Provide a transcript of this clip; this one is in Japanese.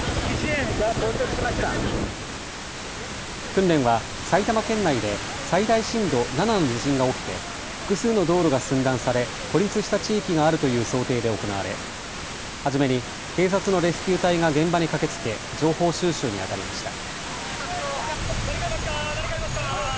訓練は埼玉県内で最大震度７の地震が起きて複数の道路が寸断され孤立した地域があるという想定で行われ初めに警察のレスキュー隊が現場に駆けつけ情報収集にあたりました。